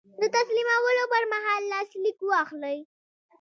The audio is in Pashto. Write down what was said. د تسلیمولو پر مهال لاسلیک واخلئ.